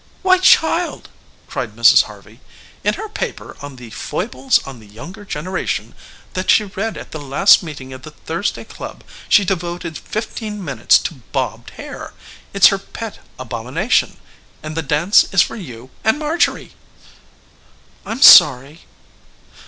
"Why child," cried Mrs. Harvey, "in her paper on 'The Foibles of the Younger Generation' that she read at the last meeting of the Thursday Club she devoted fifteen minutes to bobbed hair. It's her pet abomination. And the dance is for you and Marjorie!" "I'm sorry."